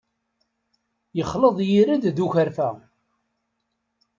Yexleḍ yired d ukerfa.